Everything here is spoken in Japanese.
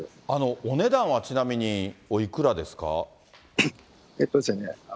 お値段はちなみにおいくらですか？